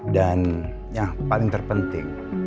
dan yang paling terpenting